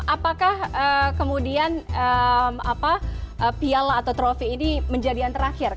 apakah kemudian piala atau trophy ini menjadikan terakhir